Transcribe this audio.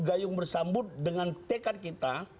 gayung bersambut dengan tekad kita